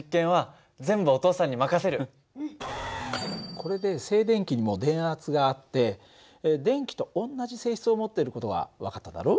これで静電気にも電圧があって電気と同じ性質を持ってる事が分かっただろう。